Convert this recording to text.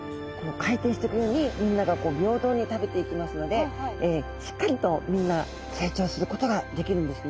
回転していくようにみんなが平等に食べていきますのでしっかりとみんな成長することができるんですね。